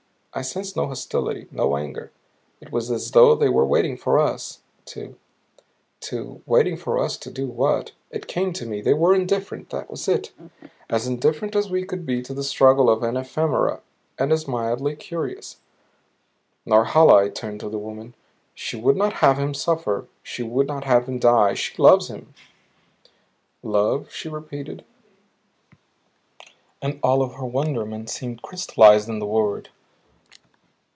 I sensed no hostility, no anger; it was as though they were waiting for us to to waiting for us to do what? It came to me they were indifferent. That was it as indifferent as we could be to the struggle of an ephemera; and as mildly curious. "Norhala," I turned to the woman, "she would not have him suffer; she would not have him die. She loves him." "Love?" she repeated, and all of her wonderment seemed crystallized in the word.